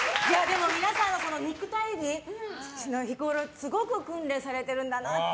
皆さんの肉体美、日ごろすごく訓練されてるんだなって